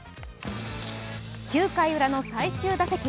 ９回ウラの最終打席。